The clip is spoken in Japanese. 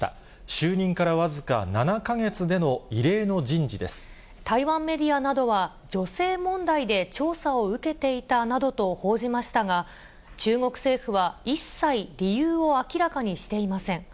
就任から僅か７か月での異例の人台湾メディアなどは、女性問題で調査を受けていたなどと報じましたが、中国政府は一切理由を明らかにしていません。